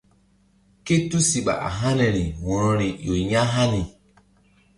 Ké tusiɓa a haniri wo̧roi ƴo ya̧hani.